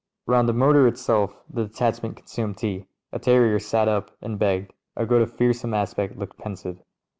Round the motor itself the detachment consumed tea, a ter rier sat up and begged, a goat of fearsome aspect looked pensive.